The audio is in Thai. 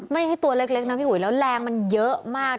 ไม่ใช่ตัวเล็กนะพี่อุ๋ยแล้วแรงมันเยอะมาก